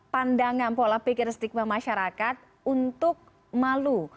pandangan pola pikir stigma masyarakat untuk malu